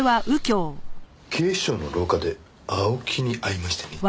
警視庁の廊下で青木に会いましてね。